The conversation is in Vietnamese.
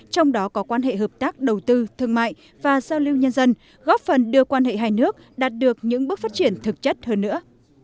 trong đó có quan hệ hợp tác đầu tư thương mại và giao lưu nhân dân góp phần đưa quan hệ hai nước đạt được những bước phát triển thực chất hơn nữa